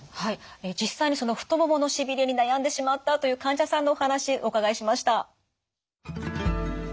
実際にその太もものしびれに悩んでしまったという患者さんのお話お伺いしました。